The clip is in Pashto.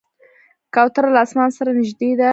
کوتره له اسمان سره نږدې ده.